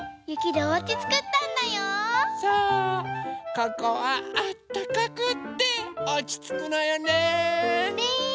ここはあったかくておちつくのよね。ね。